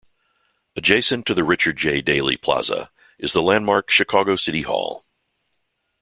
Adjacent to the Richard J. Daley Plaza is the landmark Chicago City Hall.